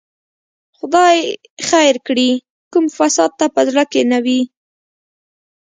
خدای خیر کړي، کوم فساد ته په زړه کې نه وي.